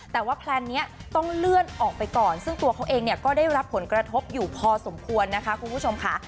แต่ว่าแพลนนี้ต้องเลื่อนออกไปก่อนซึ่งตัวเขาเองเนี่ยก็ได้รับผลกระทบอยู่พอสมควรนะคะคุณผู้ชมค่ะ